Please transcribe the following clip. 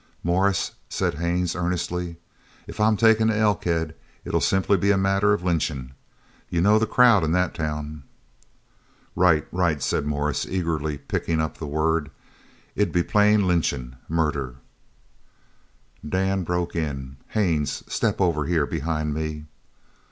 "Morris," said Haines earnestly, "if I'm taken to Elkhead it'll be simply a matter of lynching. You know the crowd in that town." "Right right," said Morris, eagerly picking up the word. "It'd be plain lynchin' murder " Dan broke in: "Haines, step over here behind me!"